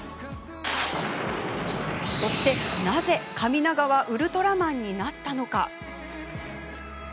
そして、なぜ、神永はウルトラマンになったのか？